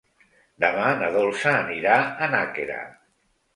Demà na Dolça anirà a Nàquera.